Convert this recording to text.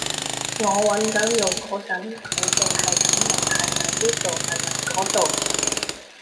我搵緊路嗰陣，佢哋喺咁問係咪呢度係咪嗰度